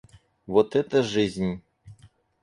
Вот это жизнь!